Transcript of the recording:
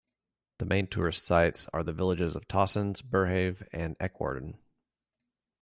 The main tourist sites are the villages of Tossens, Burhave and Eckwarden.